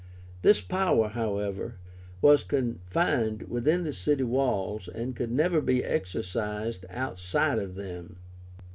This power, however, was confined within the city walls, and could never be exercised outside of them.